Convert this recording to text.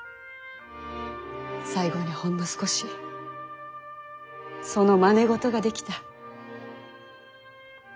最後にほんの少しそのまね事ができた。